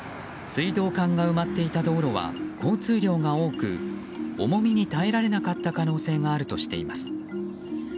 水道管が埋まっていた道路は交通量が多く重みに耐えられなかった可能性があるとしています。